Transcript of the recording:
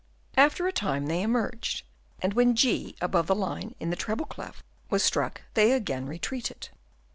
After a time they emerged, and when Gr above the line in the treble clef was struck they again retreated.